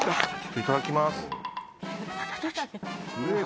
いただきます。